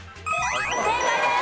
正解です！